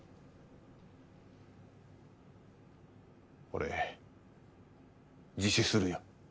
俺自首するよ。